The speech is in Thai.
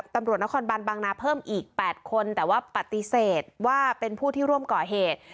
ตำรวจนครบันบางนาเพิ่มอีก๘คนแต่ว่าปฏิเสธว่าเป็นผู้ที่ร่วมก่อเหตุ